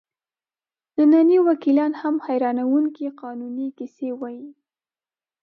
ننني وکیلان هم حیرانوونکې قانوني کیسې وایي.